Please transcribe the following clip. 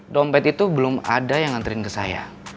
dompet itu belum ada yang nganterin ke saya